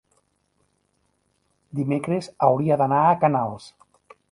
Dimecres hauria d'anar a Canals.